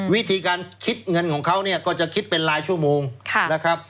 วิธีการคิดเงินของเขาเนี่ยก็จะคิดเป็นรายชั่วโมงนะครับ